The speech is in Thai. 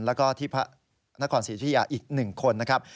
แล้วก็ที่พระนครศรีธุยาอีก๑คนนะครับ